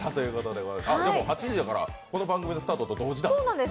でも８時やからこの番組のスタートと同時だ。